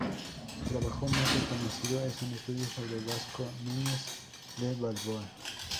Su trabajo más reconocido es un estudio sobre Vasco Núñez de Balboa.